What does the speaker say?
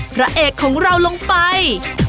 พระเอกของเราลงไป